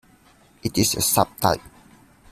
It is a sub-type.